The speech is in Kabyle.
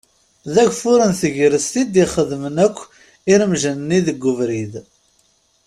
D ageffur n tegrest i d-ixedmen akk iremjen-nni deg ubrid.